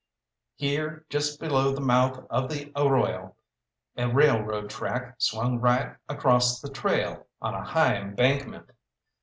Here just below the mouth of the arroyo a railroad track swung right across the trail on a high embankment.